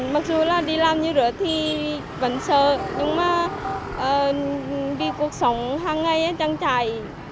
mặc dù là đi làm như vậy thì vẫn sợ nhưng mà vì cuộc sống hàng ngày trăng trải